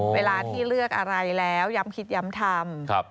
เวลาที่เลือกอะไรแล้วย้ำคิดย้ำทำ